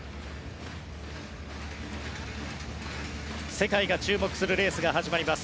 世界が注目するレースが始まります。